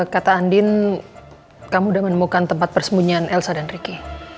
kata andin kamu sudah menemukan tempat persembunyian elsa dan ricky